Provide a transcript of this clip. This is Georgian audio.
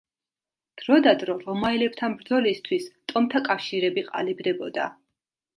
დროდადრო რომაელებთან ბრძოლისთვის ტომთა კავშირები ყალიბდებოდა.